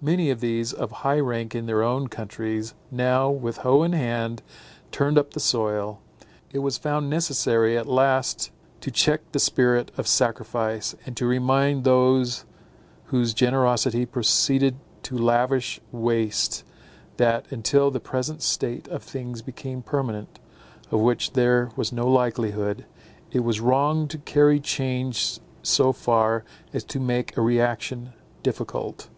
Many of these, of high rank in their own countries, now, with hoe in hand, turned up the soil. It was found necessary at last to check the spirit of sacrifice, and to remind those whose generosity proceeded to lavish waste, that, until the present state of things became permanent, of which there was no likelihood, it was wrong to carry change so far as to make a reaction difficult.